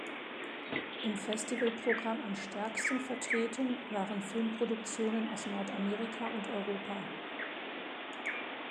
Im Festivalprogramm am stärksten vertreten waren Filmproduktionen aus Nordamerika und Europa.